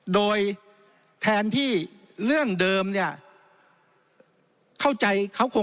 โดยแทนที่เรื่องเดิม